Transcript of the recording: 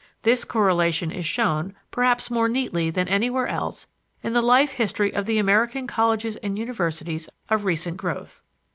This correlation is shown, perhaps more neatly than anywhere else, in the life history of the American colleges and universities of recent growth.